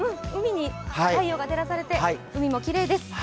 海に太陽が照らされて海もきれいです。